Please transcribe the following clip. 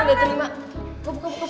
buka buka buka